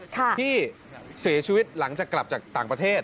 ที่เสียชีวิตหลังจากกลับจากต่างประเทศ